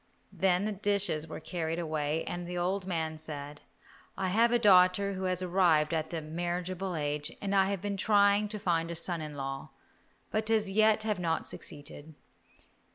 Then the dishes were carried away and the old man said, "I have a daughter who has arrived at a marriageable age, and I have been trying to find a son in law, but as yet have not succeeded.